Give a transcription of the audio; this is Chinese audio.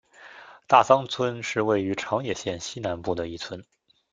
大桑村是位于长野县西南部的一村。